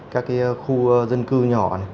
các khu dân cư nhỏ